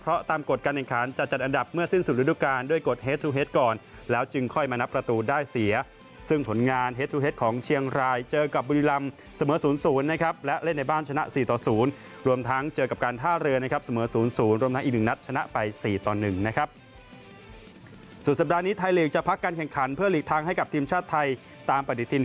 ไปสี่ตอนหนึ่งนะครับสุดสัปดาห์นี้ไทยหลีกจะพักกันแข่งขันเพื่อหลีกทางให้กับทีมชาติไทยตามปฏิทิน